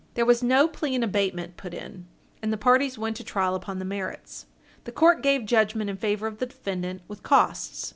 There was no plea in abatement put in, and the parties went to trial upon the merits. The court gave judgment in favor of the defendant with costs.